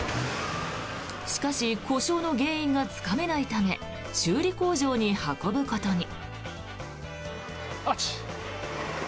しかし故障の原因がつかめないため修理工場に運ぶことに。